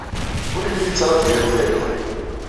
Ur yelli yettargu yir tirga.